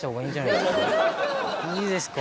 いいですか？